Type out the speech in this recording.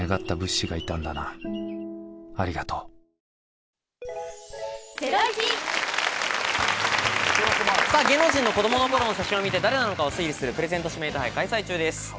「はだおもいオーガニック」芸能人の子どもの頃の写真を見て誰なのかを推理するプレゼント指名手配を開催中です。